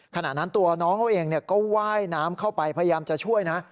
ขณะนั้นตัวน้องเขาเองก็ว่ายน้ำเข้าไปพยายามจะช่วยนะ